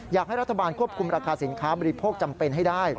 อยากให้รัฐบาลควบคุมราคาสินค้าบริโภคจำเป็นให้ได้